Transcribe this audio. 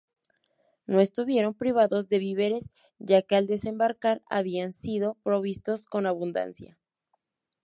No estuvieron privados de víveres ya que al desembarcar habían sido provistos con abundancia.